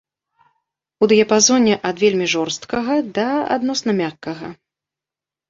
У дыяпазоне ад вельмі жорсткага да адносна мяккага.